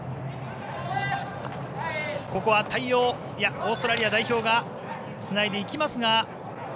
オーストラリア代表がつないでいきますが。